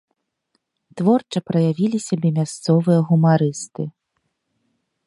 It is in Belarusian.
Творча праявілі сябе мясцовыя гумарысты.